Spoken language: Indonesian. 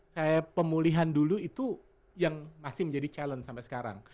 saya pemulihan dulu itu yang masih menjadi challenge sampai sekarang